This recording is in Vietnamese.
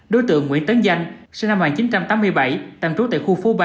đối tượng nguyễn tấn danh sinh năm một nghìn chín trăm tám mươi bảy tạm trú tại khu phố ba